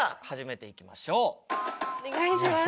お願いします。